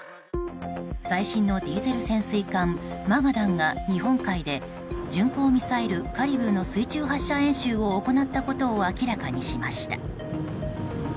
最新のディーゼル潜水艦「マガダン」が日本海で巡航ミサイル・カリブルの水中発射演習を行ったことを明らかにしました。